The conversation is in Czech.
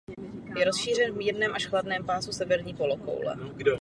Je rozšířen v mírném až chladném pásu severní polokoule.